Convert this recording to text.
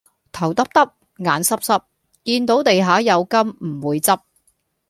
頭耷耷,眼濕濕,見到地下有金唔會執